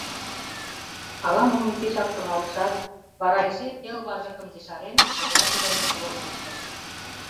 Ала-мом изишак шоналтышат, вара эше пел важыкым ешарен, товарже дене лодым ыштыш.